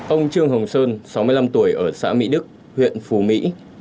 ông trương hồng sơn sáu mươi năm tuổi ở xã mỹ đức huyện phù mỹ